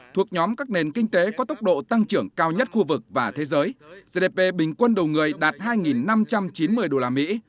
thuộc nhóm các nền kinh tế có tốc độ tăng trưởng cao nhất khu vực và thế giới gdp bình quân đầu người đạt hai năm trăm chín mươi đô la mỹ